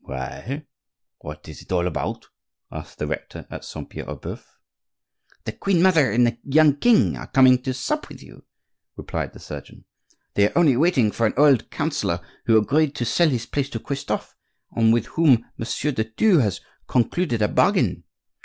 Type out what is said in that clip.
"Why? what is it all about?" asked the rector of Saint Pierre aux Boeufs. "The queen mother and the young king are coming to sup with you," replied the surgeon. "They are only waiting for an old counsellor who agreed to sell his place to Christophe, and with whom Monsieur de Thou has concluded a bargain.